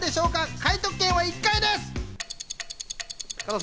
解答権は１回です。